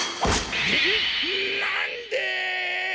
なんで？